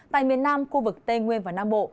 tại miền nam khu vực tây nguyên và nam bộ